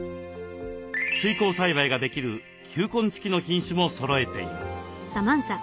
水耕栽培ができる球根付きの品種もそろえています。